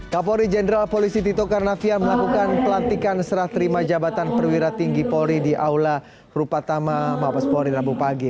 kapolri jenderal polisi tito karnavian melakukan pelantikan serah terima jabatan perwira tinggi polri di aula rupatama mabes polri rabu pagi